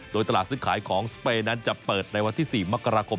โดยตลาดซื้อขายของสเปย์นั้นจะเปิดในวันที่๔มกราคม